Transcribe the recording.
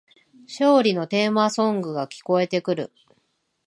勝利のテーマソングが聞こえてくる